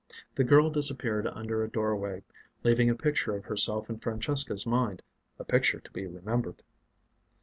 The girl disappeared under a doorway, leaving a picture of herself in Francesca's mind a picture to be remembered.